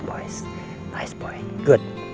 bagus baik baik